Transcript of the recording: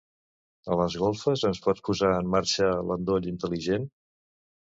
A les golfes ens pots posar en marxa l'endoll intel·ligent?